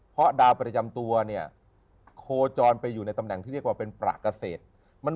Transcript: เพราะดาวประจำตัวเนี่ยโคจรไปอยู่ในตำแหน่งที่เรียกว่าเป็นประเกษตร